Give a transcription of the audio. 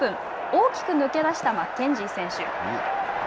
大きく抜け出したマッケンジー選手。